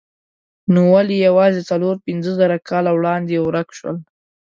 نو ولې یوازې څلور پنځه زره کاله وړاندې ورک شول؟